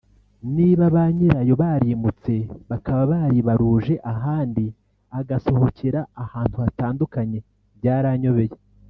niba banyirayo barimutse bakaba baribaruje ahandi agasohokera ahantu hatandukanye byaranyobeye